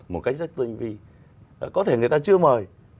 một cách rất tinh vi có thể người ta chưa mời